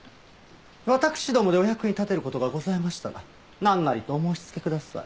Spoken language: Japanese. わたくしどもでお役に立てる事がございましたらなんなりとお申し付けください。